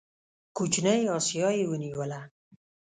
کوچنۍ اسیا یې ونیوله.